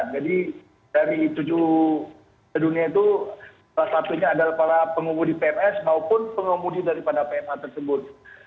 jadi dari tujuh terdunia itu salah satunya adalah para pengumudi pms maupun pengumudi daripada pma tersebut